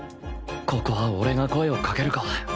ここは俺が声をかけるか